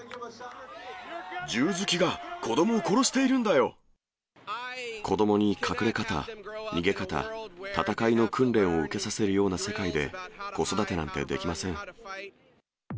銃好きが子どもを殺している子どもに隠れ方、逃げ方、戦いの訓練を受けさせるような世界で子育てなんてできません。